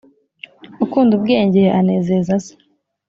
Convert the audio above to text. ukunda ubwenge anezeza se,